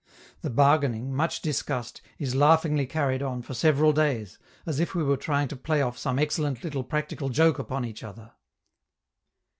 The bargaining, much discussed, is laughingly carried on for several days, as if we were trying to play off some excellent little practical joke upon each other.